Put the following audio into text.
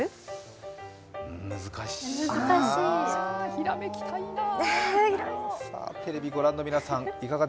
ひらめきたいなー。